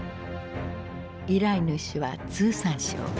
依頼主は通産省。